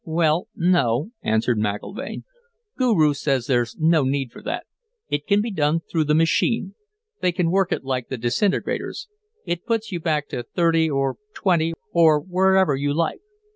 "Well, no," answered McIlvaine. "Guru says there's no need for that it can be done through the machine; they can work it like the disintegrators; it puts you back to thirty or twenty or wherever you like."